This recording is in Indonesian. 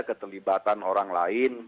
atau perlibatan orang lain